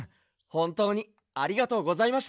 ほんとうにありがとうございました。